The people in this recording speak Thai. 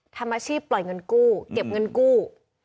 ทำอาชีพปล่อยเงินกู้เก็บเงินกู้